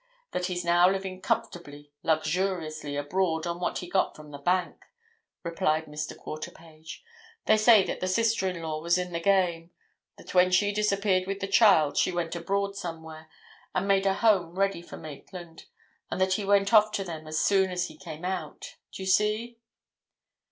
That he's now living comfortably, luxuriously abroad on what he got from the bank," replied Mr. Quarterpage. "They say that the sister in law was in at the game; that when she disappeared with the child, she went abroad somewhere and made a home ready for Maitland, and that he went off to them as soon as he came out. Do you see?"